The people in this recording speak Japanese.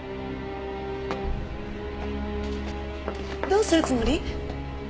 どうするつもり？